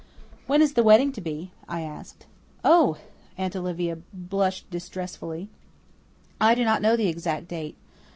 "When is the wedding to be?" I asked. "Oh!" Aunt Olivia blushed distressfully. "I do not know the exact date.